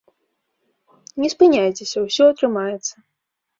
Не спыняйцеся, усё атрымаецца.